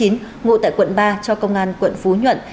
ngụ tại quận ba cho công an quận phú nhuận